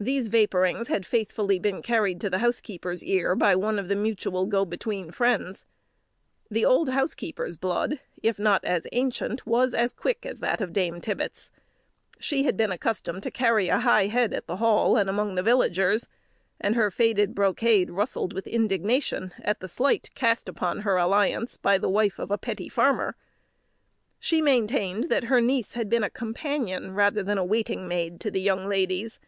These vapourings had faithfully been carried to the housekeeper's ear by one of the mutual go between friends. The old housekeeper's blood, if not as ancient, was as quick as that of Dame Tibbets. She had been accustomed to carry a high head at the Hall and among the villagers; and her faded brocade rustled with indignation at the slight cast upon her alliance by the wife of a petty farmer. She maintained that her niece had been a companion rather than a waiting maid to the young ladies.